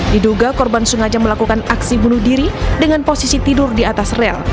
diduga korban sengaja melakukan aksi bunuh diri dengan posisi tidur di atas rel